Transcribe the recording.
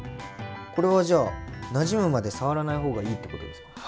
これはじゃあなじむまで触らない方がいいってことですか？